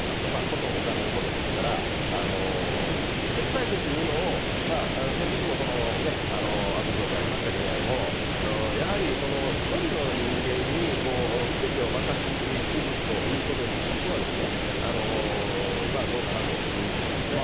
ことお金のことですから、チェック体制というのを先日も阿武町でありましたけれども、やはり、１人の人間にすべてを任しきるということについてはですね、どうかなというふうに思いますね。